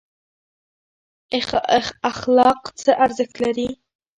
اخلاق څه ارزښت لري؟